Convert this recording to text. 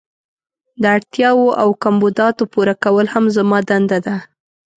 د اړتیاوو او کمبوداتو پوره کول هم زما دنده ده.